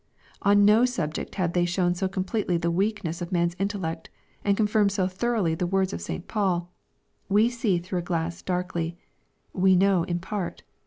On no subject have they shown so completely the weakness of man's intellect, and confirmed so thoroughly the words of St. Paul, " We see through a glass darkly :— we know in part."